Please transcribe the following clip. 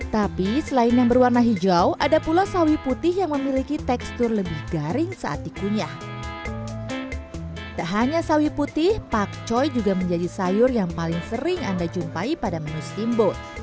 tak hanya sawi putih pakcoy juga menjadi sayur yang paling sering anda jumpai pada menu steamboat